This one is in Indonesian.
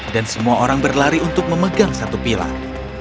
semua orang berlari untuk memegang satu pilar